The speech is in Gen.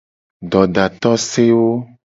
Dodatosewo.